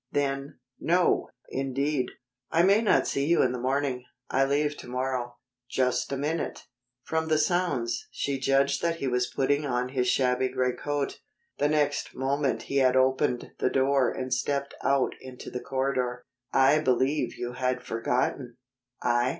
Then: "No, indeed." "I may not see you in the morning. I leave to morrow." "Just a minute." From the sounds, she judged that he was putting on his shabby gray coat. The next moment he had opened the door and stepped out into the corridor. "I believe you had forgotten!" "I?